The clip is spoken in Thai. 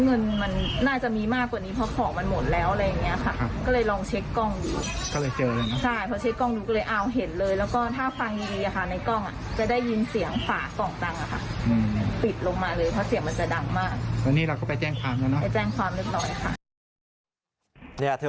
เงินน่าจะมีมากกว่านี้เพราะของมันหมดแล้วอะไรอย่างนี้ค่ะ